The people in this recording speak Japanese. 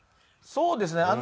そうですね。